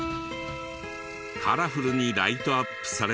カラフルにライトアップされているが。